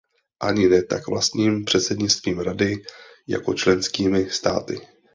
Ani ne tak vlastním předsednictvím Rady, jako členskými státy.